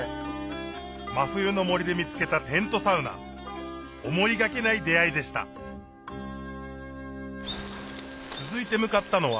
真冬の森で見つけたテントサウナ思いがけない出合いでした